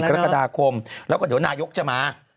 กรกฎาคมแล้วก็เดี๋ยวนายกจะมา